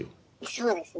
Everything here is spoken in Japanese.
そうですね。